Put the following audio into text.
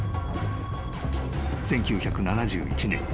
［１９７１年。